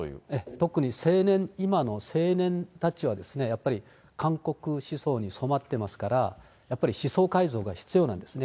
特に、青年、今の青年たちはやっぱり韓国思想に染まってますから、やっぱり思想改造が必要なんですね。